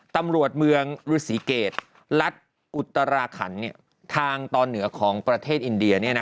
ตำรวจเมืองฤษีเกตรัฐอุตราขันทางตอนเหนือของประเทศอินเดีย